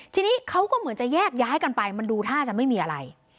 ทีนี้เขาก็เหมือนจะแยกย้ายกันไปมันดูท่าจะไม่มีอะไร